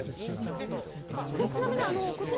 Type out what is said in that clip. ちなみにこちら。